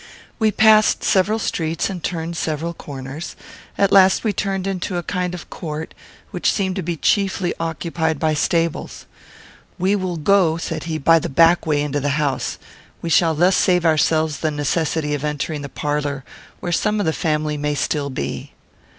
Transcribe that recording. We passed several streets and turned several corners. At last we turned into a kind of court which seemed to be chiefly occupied by stables. "We will go," said he, "by the back way into the house. We shall thus save ourselves the necessity of entering the parlour, where some of the family may still be."